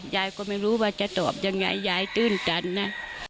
ยายก็ไม่รู้ว่าจะตอบยังไงยายตื้นตันนะ